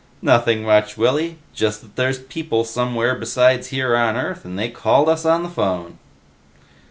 "Nothing much, Willy. Just that there's people somewhere besides here on Earth, and they called us on the phone."